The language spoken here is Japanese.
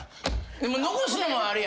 でも残すのもあれやん。